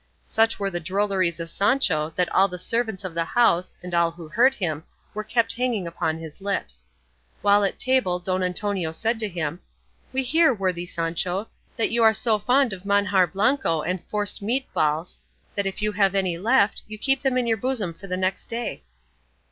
Such were the drolleries of Sancho that all the servants of the house, and all who heard him, were kept hanging upon his lips. While at table Don Antonio said to him, "We hear, worthy Sancho, that you are so fond of manjar blanco and forced meat balls, that if you have any left, you keep them in your bosom for the next day."